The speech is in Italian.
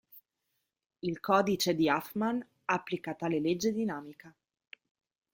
Il codice di Huffman applica tale legge dinamica.